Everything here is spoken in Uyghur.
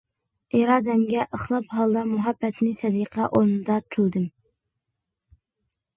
ئىرادەمگە خىلاپ ھالدا مۇھەببەتنى سەدىقە ئورنىدا تىلىدىم.